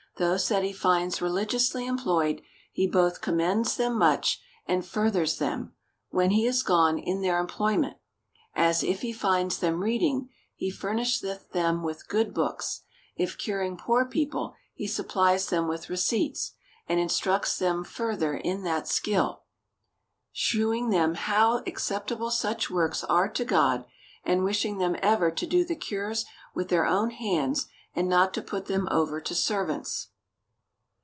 — Those that he finds religiously employed, he both commends them much, and furthers them, when he is gone, in their employment: as, if he finds them reading, he furnisheth them with good books ; if curing poor people, he supplies them with receipts, and instructs them further in that skill, shew ing them how acceptable such works are to God, and wishing them ever to do the cures with their own hands, and not to put them over to servants.